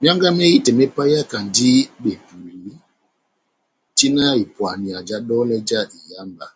Mianga mehitɛ me paiyakandi bepuli tina ya ipuania ja dolɛ já iyamba